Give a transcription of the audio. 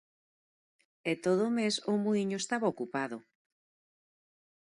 E todo o mes o muíño estaba ocupado.